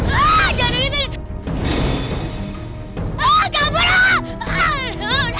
aah jangan deket